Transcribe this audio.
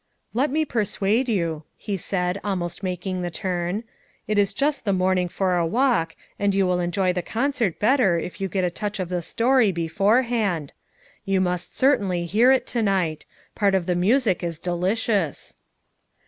"Let me persuade you," he said, almost making the turn. "It is just the morning for a walk, and you will enjoy the concert better if you get a touch of the story beforehand ; you must certainly hear it to night; part of the music is delicious."